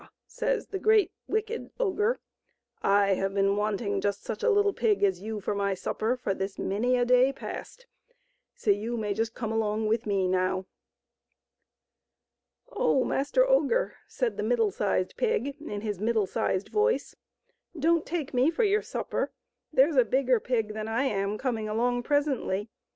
says the great, wicked ogre, " I have been wanting just such a little pig as you for my supper for this many a day past. So you may just come along with me now." " Oh, Master Ogre," said the middle sized pig, in his middle sized voice, " don't take me for your supper ; there's a bigger pig than I am coming along presently.